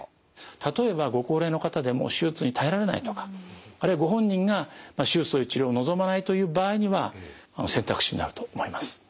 例えばご高齢の方でもう手術に耐えられないとかあるいはご本人が手術という治療を望まないという場合には選択肢になると思います。